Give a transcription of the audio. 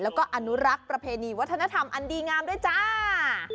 แล้วก็อนุรักษ์ประเพณีวัฒนธรรมอันดีงามด้วยจ้า